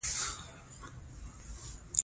منی د افغانستان د چاپیریال د مدیریت لپاره مهم دي.